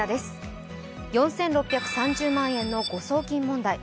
４６３０万円の誤送金問題。